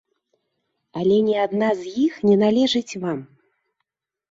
Але ні адна з іх не належыць вам.